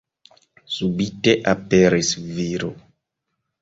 Subite aperis viro.